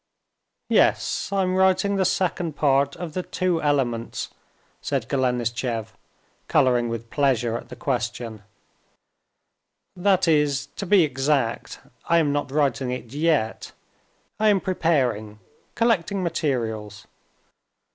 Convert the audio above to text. "Yes, I'm writing the second part of the Two Elements," said Golenishtchev, coloring with pleasure at the question—"that is, to be exact, I am not writing it yet; I am preparing, collecting materials.